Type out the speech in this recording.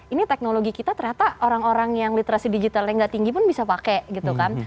ini teknologi kita ternyata orang orang yang literasi digitalnya nggak tinggi pun bisa pakai gitu kan